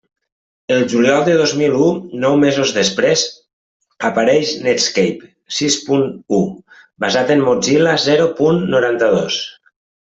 El juliol de dos mil u, nou mesos després, apareix Netscape sis punt u, basat en Mozilla zero punt noranta-dos.